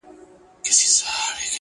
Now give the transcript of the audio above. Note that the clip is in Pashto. له هنداري څه بېــخاره دى لوېـــدلى~